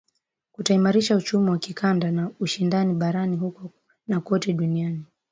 kutaimarisha uchumi wa kikanda na ushindani barani huko na kote duniani